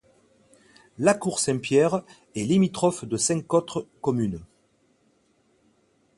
Lacourt-Saint-Pierre est limitrophe de cinq autres communes.